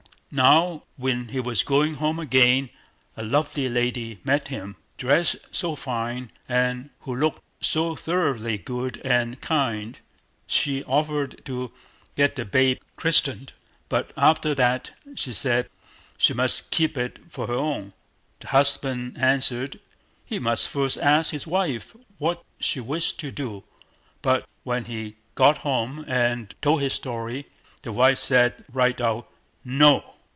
Now, when he was going home again, a lovely lady met him, dressed so fine, and who looked so thoroughly good and kind; she offered to get the babe christened, but after that, she said, she must keep it for her own. The husband answered, he must first ask his wife what she wished to do; but when he got home and told his story, the wife said, right out, "No!"